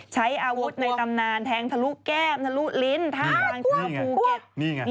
ใช้อาวุธในตำนานแทงทะลุแก้มทะลุลิ้นท่าทางชาวภูเก็ต